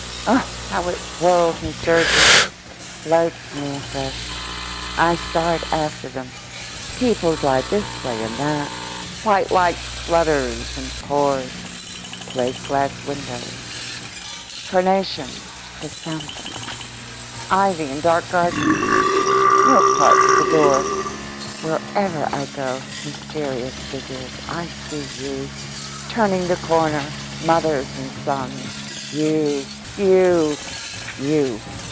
Oh, how it whirls and surges—floats me afresh! I start after them. People drive this way and that. The white light splutters and pours. Plate glass windows. Carnations; chrysanthemums. Ivy in dark gardens. Milk carts at the door. Wherever I go, mysterious figures, I see you, turning the corner, mothers and sons; you, you, you.